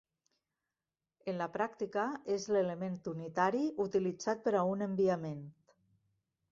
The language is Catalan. En la pràctica és l'element unitari utilitzat per a un enviament.